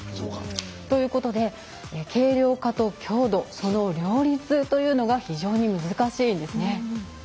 軽量化と強度その両立というのが非常に難しいんですね。